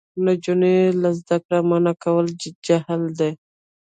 نجونې له زده کړې منع کول جهل دی.